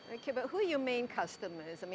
tapi siapa pelanggan utama anda